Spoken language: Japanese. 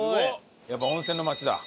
やっぱ温泉の町だ。